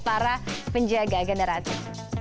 para penjaga generasi